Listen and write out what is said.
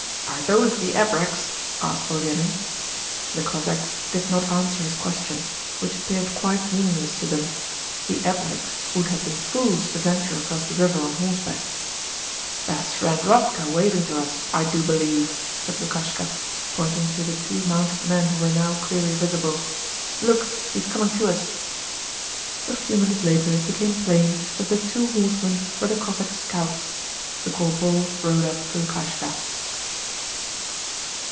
'Are those the ABREKS?' asked Olenin. The Cossacks did not answer his question, which appeared quite meaningless to them. The ABREKS would have been fools to venture across the river on horseback. 'That's friend Rodka waving to us, I do believe,' said Lukashka, pointing to the two mounted men who were now clearly visible. 'Look, he's coming to us.' A few minutes later it became plain that the two horsemen were the Cossack scouts. The corporal rode up to Lukashka.